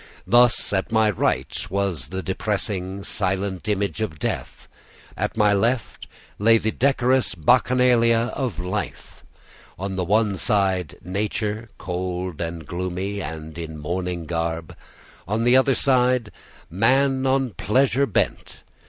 Thus, at my right was the depressing, silent image of death; at my left the decorous bacchanalia of life; on the one side nature, cold and gloomy, and in mourning garb; on the other side, man on pleasure bent.